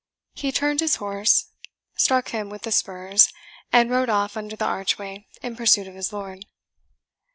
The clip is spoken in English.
He turned his horse, struck him with the spurs, and rode off under the archway in pursuit of his lord.